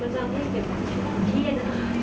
มันทำให้เป็นเหี้ยนะ